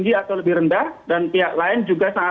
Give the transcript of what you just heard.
diandai komunikasi yang terakhir sama dengan penjelasan dari